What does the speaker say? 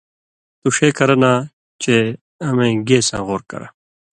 تُو ݜے کرہ نا چے امَیں گیساں غور کرہ